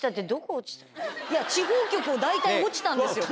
地方局を大体落ちたんですよ。